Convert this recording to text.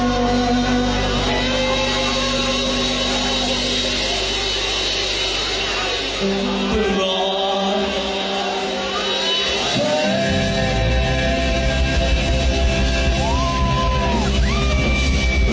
ทุกที่ว่าใช่ไหม